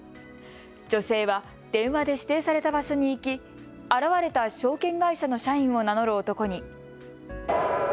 女性は電話で指定された場所に行き、現れた証券会社の社員を名乗る男に。